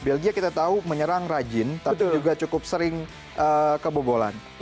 belgia kita tahu menyerang rajin tapi juga cukup sering kebobolan